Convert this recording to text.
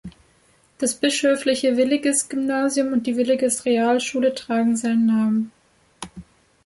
Das Bischöfliche Willigis-Gymnasium, und die Willigis-Realschule tragen seinen Namen.